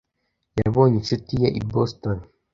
Yabonye inshuti ye i Boston.